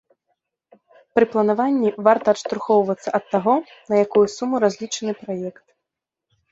Пры планаванні варта адштурхоўвацца ад таго, на якую суму разлічаны праект.